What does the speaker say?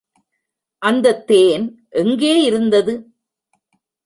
அந்தத் தேன் எங்கே இருந்தது?